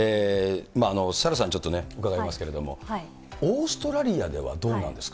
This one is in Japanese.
サラさんにちょっと伺いますけれども、オーストラリアではどうなんですか。